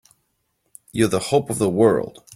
You're the hope of the world!